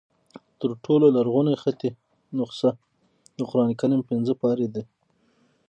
تر ټولو لرغونې خطي نسخه د قرآن کریم پنځه پارې دي.